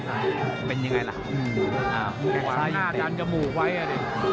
ขวางหน้าจันยมูกไว้อ่ะเนี่ย